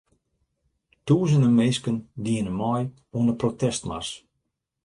Tûzenen minsken diene mei oan de protestmars.